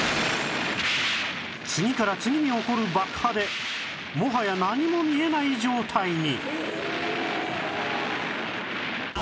次から次に起こる爆破でもはや何も見えない状態に